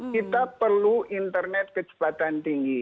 kita perlu internet kecepatan tinggi